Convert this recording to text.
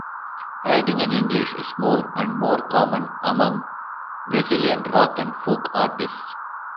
Writing in English is more and more common among Brazilian rock and folk artists.